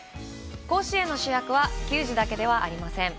甲子園の主役は球児だけではありません。